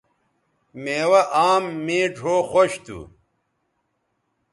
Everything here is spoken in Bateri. میوہ آم مے ڙھؤ خوش تھو